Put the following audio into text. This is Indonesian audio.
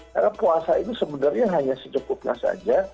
karena puasa itu sebenarnya hanya secukupnya saja